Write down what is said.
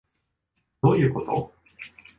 どういうこと？